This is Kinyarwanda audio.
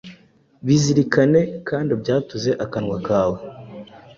bizirikane kandi ubyatuze akanwa kawe.